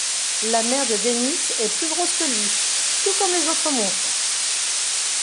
La mère de Dennis est plus grosse que lui, tout comme les autres monstres.